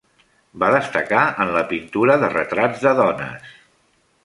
Va destacar en la pintura de retrats de dones.